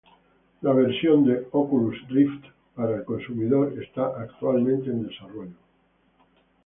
La versión de Oculus Rift para el consumidor está actualmente en desarrollo.